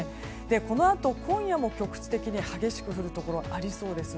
このあと、今夜も局地的に激しく降るところがありそうです。